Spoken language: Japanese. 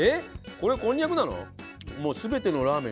これこんにゃくなの？